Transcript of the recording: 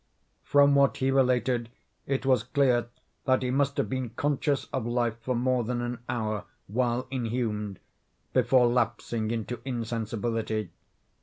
From what he related, it was clear that he must have been conscious of life for more than an hour, while inhumed, before lapsing into insensibility.